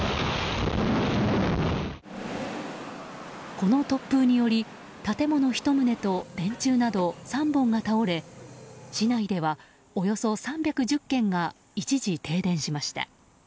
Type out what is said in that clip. この突風により建物１棟と電柱など３本が倒れ市内ではおよそ３１０軒が一時停電しました。